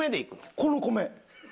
この米。